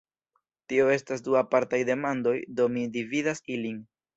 Tio estas du apartaj demandoj, do mi dividas ilin.